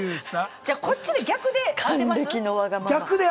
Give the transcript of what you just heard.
じゃこっちで逆で当てます？